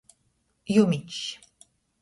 Jumičs.